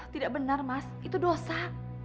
tidak benar mas itu dosa